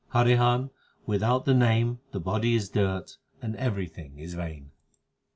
Harihan, without the Name the body is dirt, and every thing is vain.